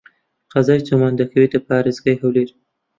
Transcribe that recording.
قەزای چۆمان دەکەوێتە پارێزگای هەولێر.